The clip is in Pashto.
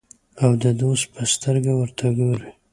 او د دوست په سترګه ورته ګوري.